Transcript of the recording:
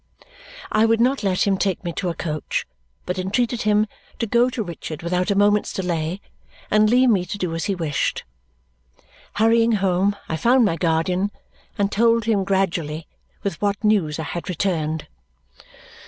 I would not let him take me to a coach, but entreated him to go to Richard without a moment's delay and leave me to do as he wished. Hurrying home, I found my guardian and told him gradually with what news I had returned.